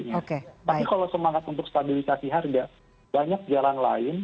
tapi kalau semangat untuk stabilisasi harga banyak jalan lain